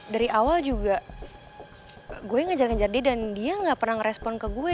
dari awal juga gue ngejar ngejar dia dan dia gak pernah ngerespon ke gue